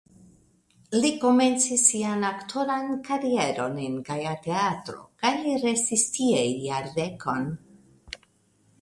Li komencis sian aktoran karieron en Gaja Teatro kaj li restis tie jardekon.